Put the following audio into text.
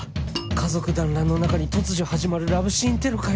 家族だんらんの中に突如始まるラブシーンテロかよ